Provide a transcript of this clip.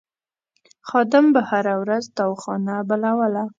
خادم به هره ورځ تاوخانه بلوله.